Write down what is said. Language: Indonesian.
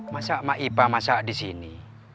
masa mbak ipa masak disini